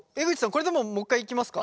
これでももう一回いきますか？